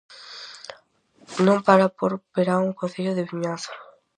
Non para por verán o Concello de Vimianzo.